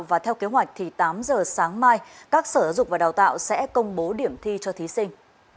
và theo kế hoạch thì tám h sáng mai các sở giục và đào tạo sẽ công bố điểm thi cho thí sinh